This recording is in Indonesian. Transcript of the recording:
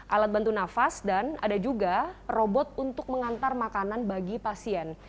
alat bantu nafas dan ada juga robot untuk mengantar makanan bagi pasien